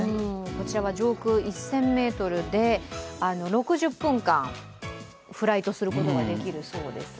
こちらは上空１０００ｍで６０分間、フライトすることができるそうです。